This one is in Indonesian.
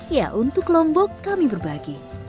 ya untuk lombok kami berbagi